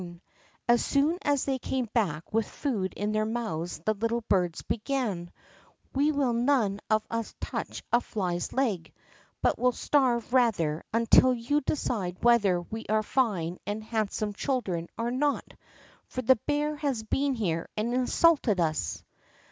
As soon as they came back with food in their mouths the little birds began, "We will none of us touch a fly's leg, but will starve rather, until you decide whether we are fine and handsome children or not, for the bear has been here and insulted us!"